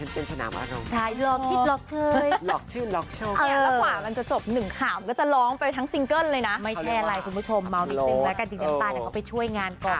เราก็เป็นนักสดงนักแสดงดารองดารา